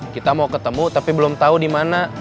kita mau ketemu tapi belum tahu di mana